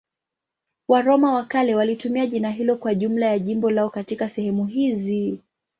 Waroma wa kale walitumia jina hilo kwa jumla ya jimbo lao katika sehemu hizi.